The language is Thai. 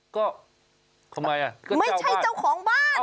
ก็ทำไมน่ะก็เจ้าของบ้านไม่ใช่เจ้าของบ้าน